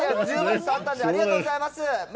十分伝わったんんで、ありがとうございます。